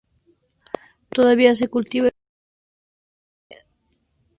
Todavía se cultiva extensivamente en India, Rusia, Oriente Medio, Turquía y Rumanía.